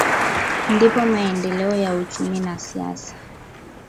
ndipo maendeleo ya uchumi na siasa